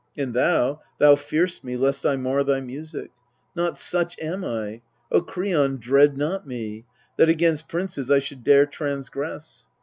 And thou, thou fear'st me, lest I mar thy music. Not such am I O Kreon, dread not me That against princes I should dare transgress.